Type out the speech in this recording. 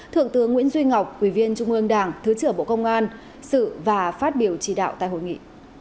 thượng tướng nguyễn duy ngọc quý viên trung ương đảng thứ trưởng bộ công an sự và phát biểu chỉ đạo tại hội nghị